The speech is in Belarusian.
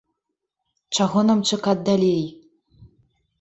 Чаго нам чакаць далей?